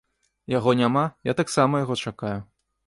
Яго няма, я таксама яго чакаю.